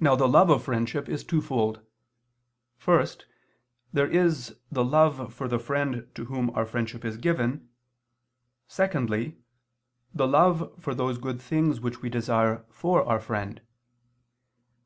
Now the love of friendship is twofold: first, there is the love for the friend to whom our friendship is given, secondly, the love for those good things which we desire for our friend.